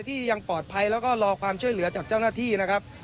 ที่ยังปลอดภัยแล้วก็รอความช่วยเหลือจากเจ้าหน้าที่นะครับ